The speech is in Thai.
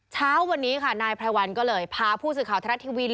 เช้าวันนี้ค่ะนายไพรวัลก็เลยพาผู้สื่อข่าวทรัฐทีวี